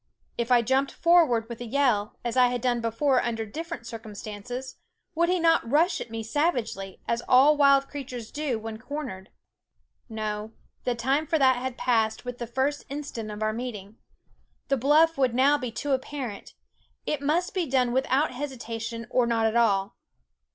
If I jumped forward with a yell, as I had done before under differ ent circumstances, would he not rush at me savagely, as all wild creatures do when cor nered? No, the time for that had passed with the first instant of our meeting. The bluff would now be too apparent ; it must be done without hesitation, or not at all.